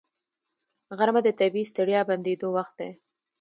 غرمه د طبیعي ستړیا بندېدو وخت دی